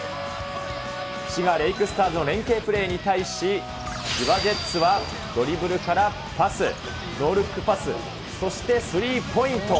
滋賀レイクスターズの連係プレーに対し、千葉ジェッツはドリブルからパス、ノールックパス、そしてスリーポイント。